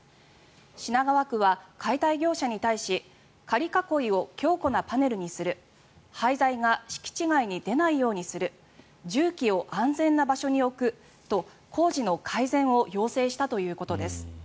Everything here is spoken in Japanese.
品川区は解体業者に対し仮囲いを強固なパネルにする廃材が敷地外に出ないようにする重機を安全な場所に置くと工事の改善を要請したということです。